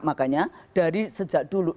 makanya dari sejak dulu